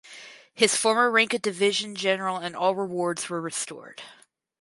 His former rank of division general and all rewards were restored.